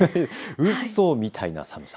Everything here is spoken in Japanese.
うそみたいな寒さ？